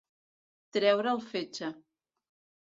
Treure el fetge.